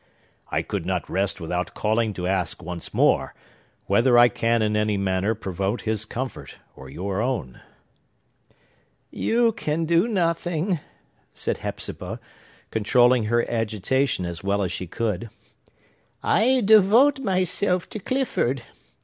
"I could not rest without calling to ask, once more, whether I can in any manner promote his comfort, or your own." "You can do nothing," said Hepzibah, controlling her agitation as well as she could. "I devote myself to Clifford.